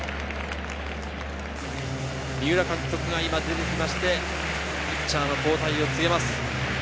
三浦監督が今出てきまして、ピッチャーの交代を告げます。